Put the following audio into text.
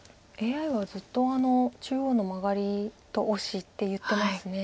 ＡＩはずっと中央のマガリとオシって言ってます。